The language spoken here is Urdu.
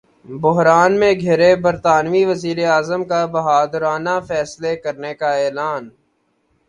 بحران میں گِھرے برطانوی وزیراعظم کا ’بہادرانہ فیصلے‘ کرنے کا اعلان